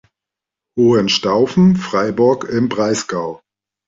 Hohenstaufen Freiburg im Breisgau.